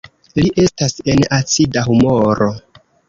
Li estas en acida humoro.